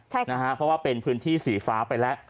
เพราะว่าเป็นพื้นที่สีฟ้าไปแล้ว